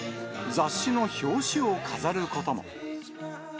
雑誌の表紙を飾ることも。